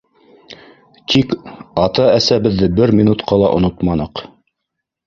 Тик ата-әсәбеҙҙе бер минутҡа ла онотманыҡ.